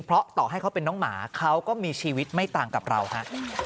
เพราะต่อให้เขาเป็นน้องหมาเขาก็มีชีวิตไม่ต่างกับเราฮะ